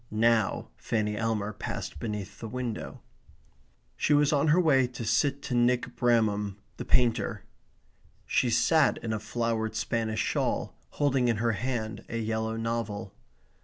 Now Fanny Elmer passed beneath the window. She was on her way to sit to Nick Bramham the painter. She sat in a flowered Spanish shawl, holding in her hand a yellow novel.